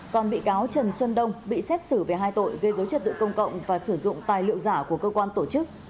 còn bị cáo trần xuân đông bị xét xử về hai tội gây dối trật tự công cộng và sử dụng tài liệu giả của cơ quan tổ chức